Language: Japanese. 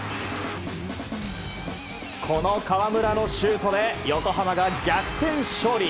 この河村のシュートで横浜が逆転勝利。